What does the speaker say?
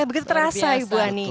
begitu terasa ibu ani